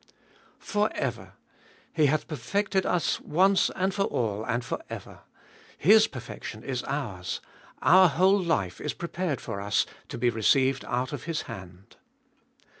For ever. He hath perfected us once for all and for ever. His perfection is ours ; our whole life is prepared for us, to be received out of His hand.